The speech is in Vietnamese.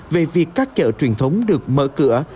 về việc các chợ truyền thống được mở cửa